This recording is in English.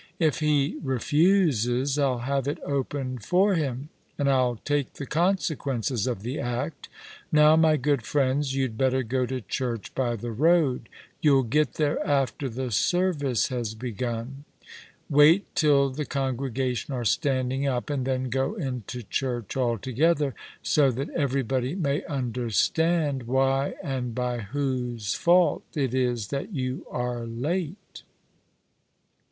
If he refuses, I'll have it opened for him, and I'll take the consequences of the act. Now, my good friends, you*d better go to church by the road. You'll get there after the service has begun. Y/ait till the congregation are standicg up, and then go into church all together, so that everybody may understand why and by whose fault it is that you are late."